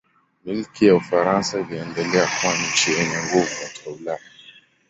Milki ya Ufaransa iliendelea kuwa nchi yenye nguvu katika Ulaya.